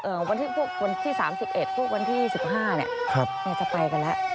พวกวันที่สิบห้าจะไปกันแล้ว